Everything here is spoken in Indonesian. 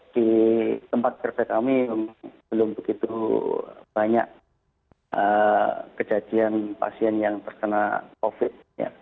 di tempat kerja kami belum begitu banyak kejadian pasien yang terkena covid